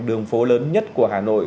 đường phố lớn nhất của hà nội